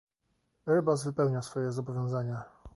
Airbus wypełnia swoje zobowiązania